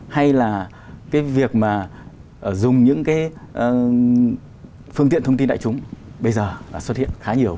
hay là cái việc mà dùng những cái phương tiện thông tin đại chúng bây giờ là xuất hiện khá nhiều